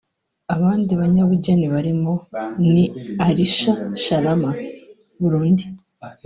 Abandi banyabugeni baririmo ni Arish Sharama (Burundi)